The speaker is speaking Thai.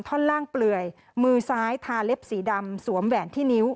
ท่อนล่างเปลื่อยมือซ้ายทาเล็บสีดำสวมแหวนที่นิ้ว